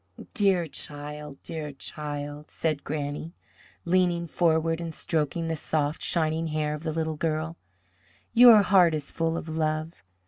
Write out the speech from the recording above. "Dear child, dear child," said Granny, leaning forward and stroking the soft, shiny hair of the little girl, "your heart is full of love.